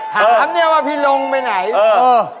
ถามเนี่ยว่าพี่ร้องไปไหนเออเออเออเออ